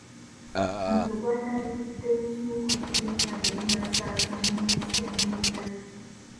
Omuliro gw'atandikidde mu kimu ku bisenge nga tegunnasaasaana mu bisenge ebirala.